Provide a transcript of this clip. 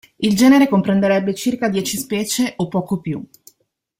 Il genere comprenderebbe circa dieci specie o poco più.